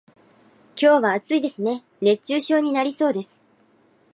今日は暑いですね、熱中症になりそうです。